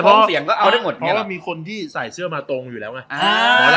เพราะว่ามีคนที่ใส่เสื้อมาตรงอยู่แล้วแน่